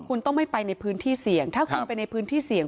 คุณต้องไม่ไปในพื้นที่เสี่ยงถ้าคุณไปในพื้นที่เสี่ยง